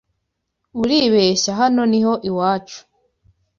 uribeshya hano niho iwacu